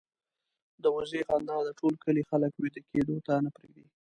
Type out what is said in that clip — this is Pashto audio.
د وزې خندا د ټول کلي خلک وېده کېدو ته نه پرېږدي.